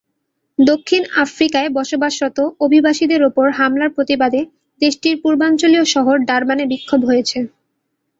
দক্ষিণ আফ্রিকায় বসবাসরত অভিবাসীদের ওপর হামলার প্রতিবাদে দেশটির পূর্বাঞ্চলীয় শহর ডারবানে বিক্ষোভ হয়েছে।